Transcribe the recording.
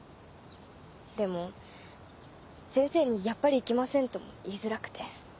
でも先生に「やっぱり行きません」とも言いづらくて。